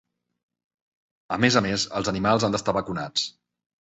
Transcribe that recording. A més a més, els animals han d'estar vacunats.